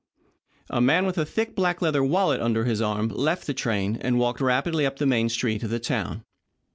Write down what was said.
A man with a thick black leather wallet under his arm left the train and walked rapidly up the main street of the town.